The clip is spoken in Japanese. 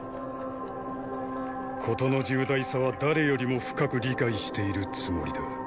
事の重大さは誰よりも深く理解しているつもりだ。